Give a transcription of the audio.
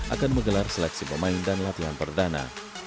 akan menggelar seleksi pemain dan latihan perdana